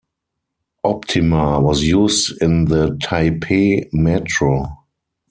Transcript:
Optima was used in the Taipei Metro.